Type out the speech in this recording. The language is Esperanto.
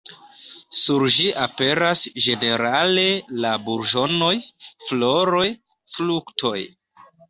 Sur ĝi aperas ĝenerale la burĝonoj, floroj, fruktoj.